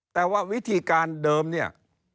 แต่ว่าวิธีการเดิมเนี่ย